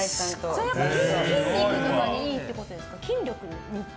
それは筋肉とかにいいってことですか？